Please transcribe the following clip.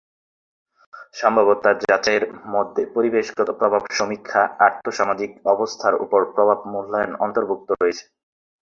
সম্ভাব্যতা যাচাইয়ের মধ্যে পরিবেশগত প্রভাব সমীক্ষা, আর্থসামাজিক অবস্থার ওপর প্রভাব মূল্যায়ন অন্তর্ভুক্ত রয়েছে।